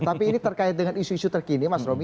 tapi ini terkait dengan isu isu terkini mas romy